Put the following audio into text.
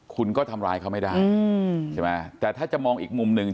คุณก็ทำร้ายเขาไม่ได้ใช่ไหมแต่ถ้าจะมองอีกมุมหนึ่ง